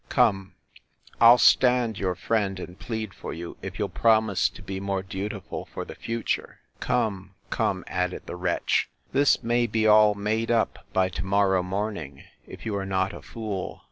—Come, I'll stand your friend, and plead for you, if you'll promise to be more dutiful for the future: Come, come, added the wretch, this may be all made up by to morrow morning, if you are not a fool.